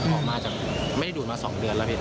ออกมาอจากไม่ได้ดูดมาสองเดือน